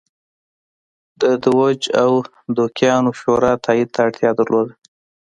د دوج او دوکیانو شورا تایید ته اړتیا درلوده.